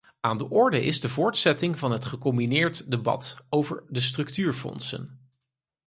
Aan de orde is de voortzetting van het gecombineerd debat over de structuurfondsen.